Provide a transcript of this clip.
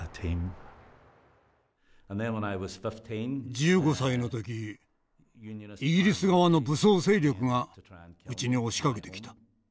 １５歳の時イギリス側の武装勢力がうちに押しかけてきた。